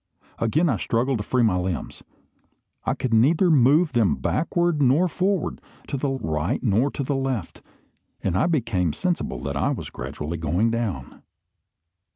Again I struggled to free my limbs. I could neither move them backward nor forward, to the right nor to the left; and I became sensible that I was gradually going down.